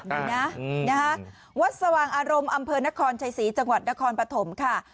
ดีนะวัดสว่างอารมณ์อำเภอนครชัยศรีจังหวัดนครปฐมค่ะ